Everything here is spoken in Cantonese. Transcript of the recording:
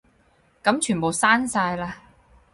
噉全部刪晒啦